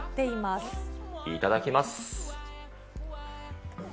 いただきます。